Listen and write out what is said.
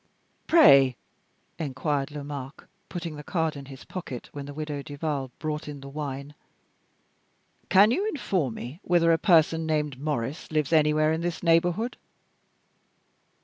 "Pray," inquired Lomaque, putting the card in his pocket when the Widow Duval brought in the wine, "can you inform me whether a person named Maurice lives anywhere in this neighborhood?"